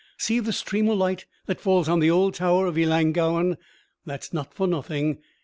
See the stream o' light that falls on the old tower of Ellangowan; that's not for nothing.